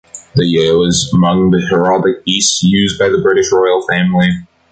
The yale is among the heraldic beasts used by the British Royal Family.